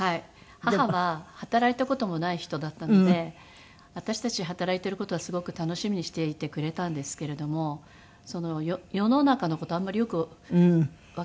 母は働いた事もない人だったので私たちが働いている事はすごく楽しみにしていてくれたんですけれども世の中の事あんまりよくわからないから。